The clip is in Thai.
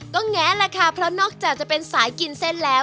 ก็แงะแหละค่ะเพราะนอกจากจะเป็นสายกินเส้นแล้ว